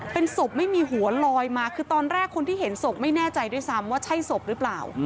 เป็นศพไม่มีหัวลอยมาคือตอนแรกคนที่เห็นศพไม่แน่ใจด้วยซ้ำว่าใช่ศพหรือเปล่า